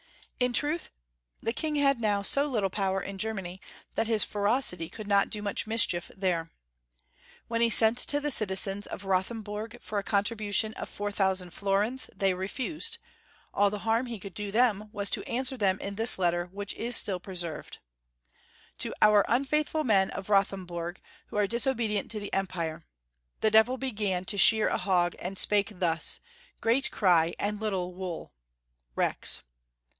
In truth, the king had now so little power in Ger many that his ferocity could not do much mischief there. When he sent to the citizens of Rothem bm g for a contiibution of 4000 florins, and they 224 Wenzel 225 refused, all the harm he could do them was to an swer them in this letter, which is still preserved :« To our unfaithful men of Rothemburg, who are disobedient to the Empire. " The devil began to shear a hog, and spake thus, * Great cry and little wool.' Rex."